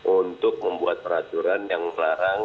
untuk membuat peraturan yang melarang